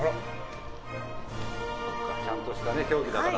ちゃんとした競技だから。